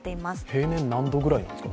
平年は何度くらいなんですか？